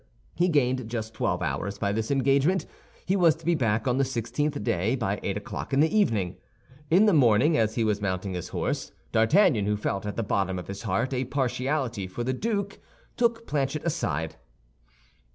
He gained just twelve hours by this engagement; he was to be back on the sixteenth day, by eight o'clock in the evening. In the morning, as he was mounting his horse, D'Artagnan, who felt at the bottom of his heart a partiality for the duke, took Planchet aside.